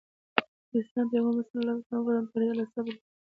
د اسلام پيغمبر ص وفرمايل بريا له صبر سره ده.